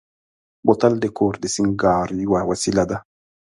بوتل د کور د سینګار یوه وسیله ده.